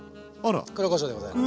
黒こしょうでございます。